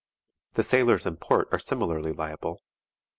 The sailors in port are similarly liable.